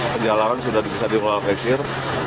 kejalanan sudah bisa diolah olah pesir